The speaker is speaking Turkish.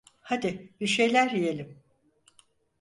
Hadi bir şeyler yiyelim.